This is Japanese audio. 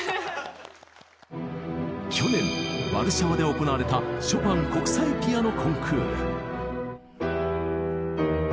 去年ワルシャワで行われたショパン国際ピアノ・コンクール。